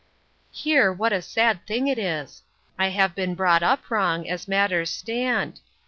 Here, what a sad thing it is! I have been brought up wrong, as matters stand.